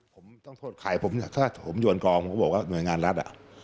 ผมต้องโทษค่ะผมอยู่อ่อนกรองบอกว่าหน่วยงานรัฐ